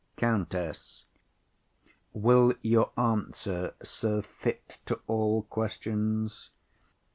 COUNTESS. Will your answer serve fit to all questions?